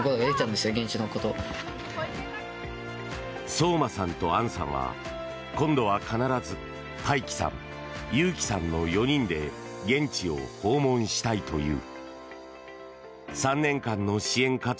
聡真さんと杏さんは今度は必ず大喜さん、悠喜さんの４人で現地を訪問したという。